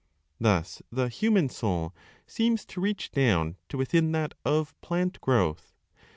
Thus the human soul seems to reach down to within that of (plant) growth.